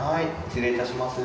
失礼いたします。